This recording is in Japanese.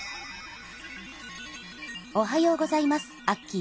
おはようございますアッキー。